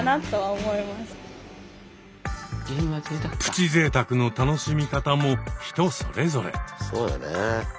「プチぜいたく」の楽しみ方も人それぞれ。